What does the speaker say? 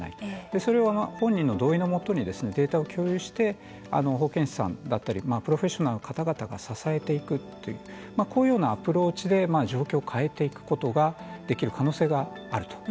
それを本人の同意のもとにデータを共有してデータを共有して保健師さんだったりプロフェッショナルな方々が支えていくこういうようなアプローチで状況を変えていくことができる可能性があると。